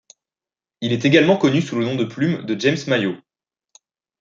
Il est également connu sous le nom de plume de James Mayo.